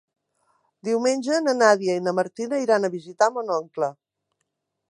Diumenge na Nàdia i na Martina iran a visitar mon oncle.